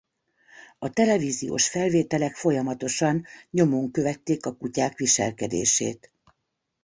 A televíziós felvételek folyamatosan nyomon követték a kutyák viselkedését.